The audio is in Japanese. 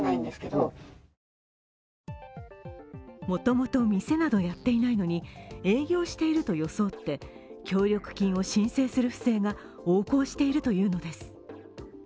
もともと店などやっていないのに営業していると装って協力金を申請する不正が横行しているというのです。